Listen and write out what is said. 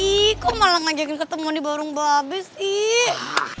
ih kok malah ngajakin ketemuan di warung babi sih